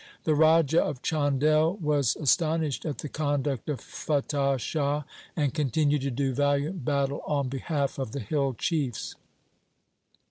The Raja of Chandel was astonished at the conduct of Fatah Shah, and continued to do valiant battle on behalf of the hill chiefs.